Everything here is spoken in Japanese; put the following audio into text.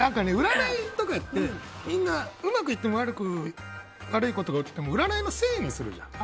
占いとかって、うまくいっても悪いことが起きても占いのせいにするじゃん。